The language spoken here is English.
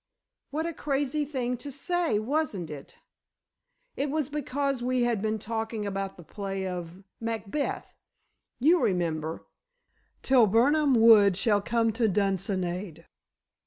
"What a crazy thing to say, wasn't it?" "It was because we had been talking about the play of Macbeth. You remember, 'Till Birnam Wood shall come to Dunsinane."